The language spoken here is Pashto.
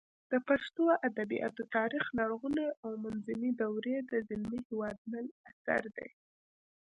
د پښتو ادبیاتو تاریخ لرغونې او منځنۍ دورې د زلمي هېوادمل اثر دی